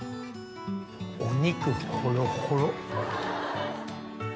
お肉ほろほろ。